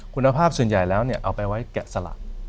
คุณภาพส่วนใหญ่แล้วเอาไปไว้แกะสลัก